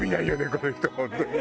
この人本当に。